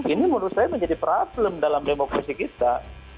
ini menurut saya menjadi problem dalam demokrasi kita